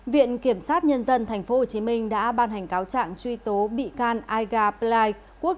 viện kiểm sát nhân dân tp hcm đã ban hành cáo trạng truy tố